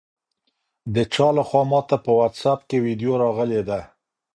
د چا لخوا ماته په واټساپ کې ویډیو راغلې ده؟